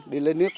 đi lên nước